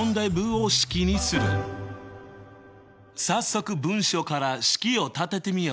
早速文章から式を立ててみよう！